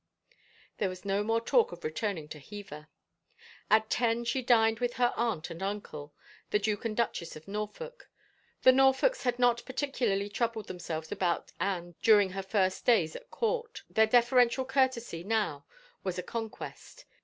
There was no more talk of returning to Hever. At ten she dined with her aunt and uncle, the Duke and Duchess of Norfolk. The Norfolks had not partic ularly troubled themselves about Anne during her first days at court ; their deferential courtesy now was a con quest.